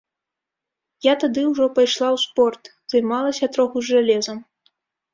Я тады ўжо пайшла ў спорт, займалася троху з жалезам.